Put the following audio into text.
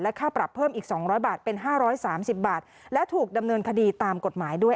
ค่าปรับเพิ่มอีก๒๐๐บาทเป็น๕๓๐บาทและถูกดำเนินคดีตามกฎหมายด้วย